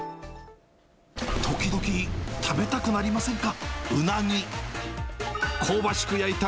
時々、食べたくなりませんか？